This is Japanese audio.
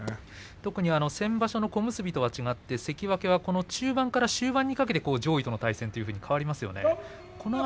特に先場所の小結と違って関脇は中盤から終盤にかけて上位との対戦というふうに変わりますね。